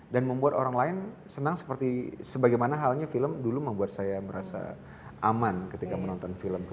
dan membuat orang lain senang seperti sebagaimana halnya film dulu membuat saya merasa aman ketika menonton film